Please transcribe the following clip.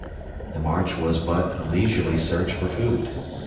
The march was but a leisurely search for food.